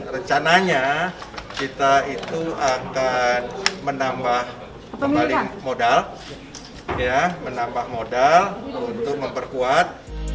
rencananya kita itu akan menambah kembali modal menambah modal untuk memperkuat